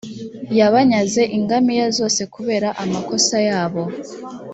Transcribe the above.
yabanyaze ingamiya zose kubera amakosa yabo.